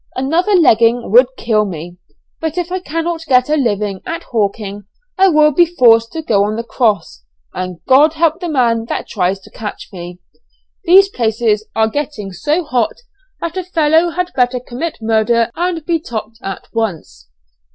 Another 'legging' would kill me, but if I cannot get a living at hawking I will be forced to go on the 'cross,' and 'God help the man that tries to catch me.' These places are getting so hot that a fellow had better commit murder and be 'topt' at once."